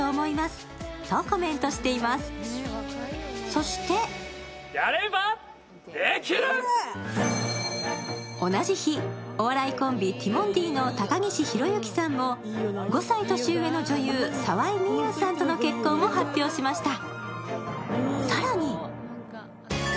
そして同じ日、お笑いコンビ、ティモンディの高岸宏行さんも５歳年上の女優、沢井美優さんとの結婚を発表しました。